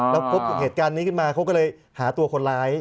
แล้วพบเหตุการณ์นี้ขึ้นมาเขาก็เลยหาตัวคนร้าย